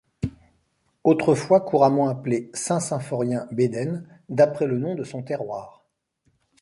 Autrefois couramment appelée Saint Symphorien-Bédène, d'après le nom de son terroir.